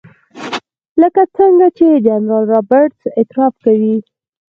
لکه څنګه چې جنرال رابرټس اعتراف کوي.